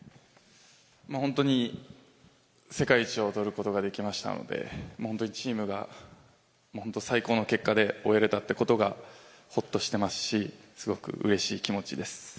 本当に世界一を取ることができましたので、もう本当にチームが、もう本当最高の結果で終えれたってことがほっとしてますし、すごくうれしい気持ちです。